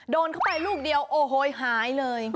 โดนเข้าไปลูกเดียวโอ้โหหายเลย